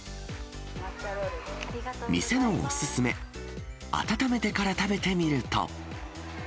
店のお勧め、温めてから食べてみると。